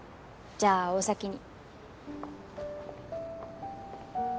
じゃあお先に。